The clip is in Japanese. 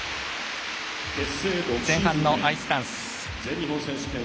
前半のアイスダンス。